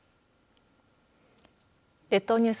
列島ニュース